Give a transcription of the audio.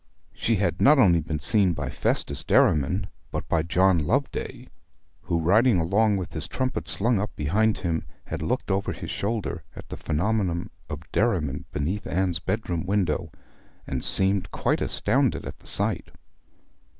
She had not only been seen by Festus Derriman, but by John Loveday, who, riding along with his trumpet slung up behind him, had looked over his shoulder at the phenomenon of Derriman beneath Anne's bedroom window and seemed quite astounded at the sight.